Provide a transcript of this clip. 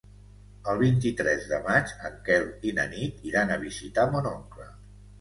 El vint-i-tres de maig en Quel i na Nit iran a visitar mon oncle.